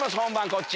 こっち。